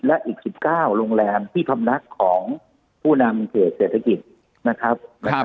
และอีก๑๙โรงแรมที่คำลักของผู้นำเศรษฐกิจ